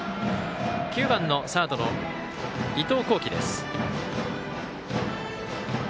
９番のサードの伊藤光輝です。